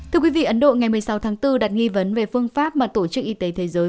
thưa quý vị ấn độ ngày một mươi sáu tháng bốn đặt nghi vấn về phương pháp mà tổ chức y tế thế giới